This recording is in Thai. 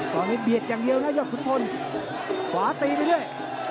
ตอนนี้เบียดอย่างเดียวนะยอดขุนพลขวาตีไปเรื่อย